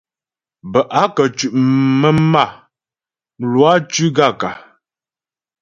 Bə́ a kətʉ' mə̀m a, Lwâ cʉ́ gaə̂kə́ ?